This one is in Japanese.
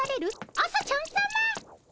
朝ちゃんさま。